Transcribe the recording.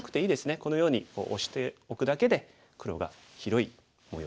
このようにオシておくだけで黒が広い模様完成します。